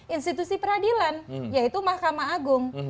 institusi peradilan yaitu mahkamah agung